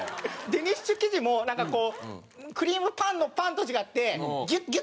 デニッシュ生地もなんかこうクリームパンのパンと違ってギュッてなんだろうね。